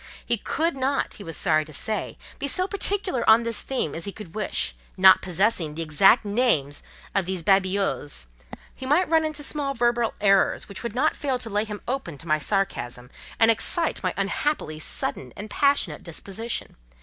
"He could not, he was sorry to say, be so particular on this theme as he could wish: not possessing the exact names of these 'babioles,' he might run into small verbal errors which would not fail to lay him open to my sarcasm, and excite my unhappily sudden and passionate disposition.